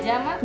ini aja mak